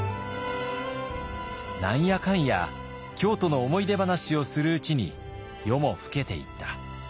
「何やかんや京都の思い出話をするうちに夜も更けていった。